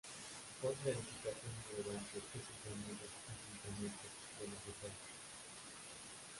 Otra edificación relevante es el llamado "ayuntamiento" de La Secada.